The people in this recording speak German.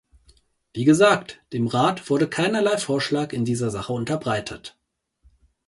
Wie gesagt, dem Rat wurde keinerlei Vorschlag in dieser Sache unterbreitet.